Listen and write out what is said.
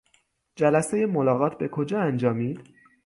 جلسهی ملاقات به کجا انجامید؟